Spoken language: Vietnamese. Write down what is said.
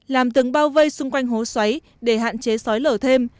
làm tường bao vây xung quanh hố xoáy để hạn chế sói lở thêm